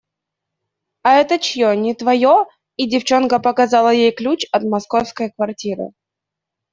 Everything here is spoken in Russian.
– А это чье? Не твое? – И девчонка показала ей ключ от московской квартиры.